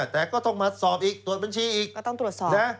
แต่ก็ต้องมาสอบอีกตรวจบัญชีอีกก็ต้องตรวจสอบนะ